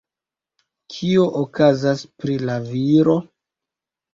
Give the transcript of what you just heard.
Kio okazas pri la viro?